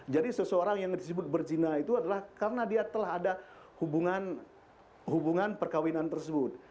jadi seseorang yang disebut berzina itu adalah karena dia telah ada hubungan perkawinan tersebut